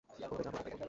Court যা বলবে তাই করব।